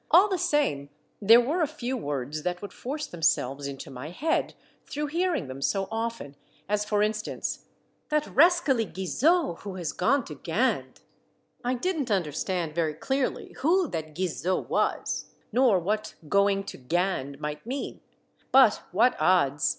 All the same there were a few words that would force themselves into my head through hearing them so often, as for in stance, —" That rascally Guizot, who has gone to Gand —" I did n't understand very clearly who that Guizot was, nor what going " to Gand " might mean, but 222 Monday Tales, what odds